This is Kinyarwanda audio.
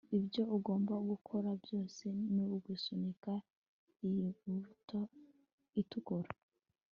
ibyo ugomba gukora byose ni ugusunika iyi buto itukura